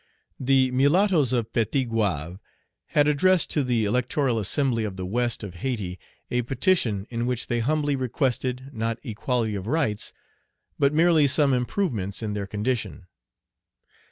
The mulattoes of Petit Goâve had addressed to the electoral assembly of the West of Hayti a petition in which they humbly requested, not equality of rights, but merely some improvements in their condition.